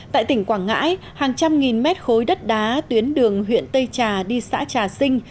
tại tỉnh quảng ngãi hàng trăm nghìn mét khối đất đá tuyến đường huyện tây trà đi xã trà sinh